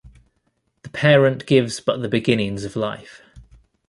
The parent gives but the beginnings of life.